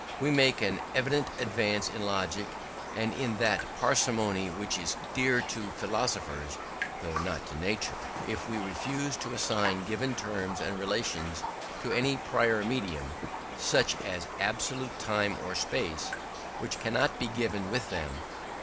We make an evident advance in logic, and in that parsimony which is dear to philosophers (though not to nature), if we refuse to assign given terms and relations to any prior medium, such as absolute time or space, which cannot be given with them.